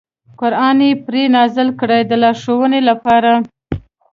قران یې پرې نازل کړ د لارښوونې لپاره.